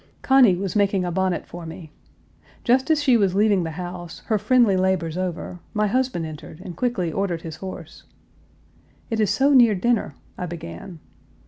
Conny was making a bonnet for me. Just as she was leaving the house, her friendly labors over, my husband entered, and quickly ordered his horse. "It is so near dinner," I began.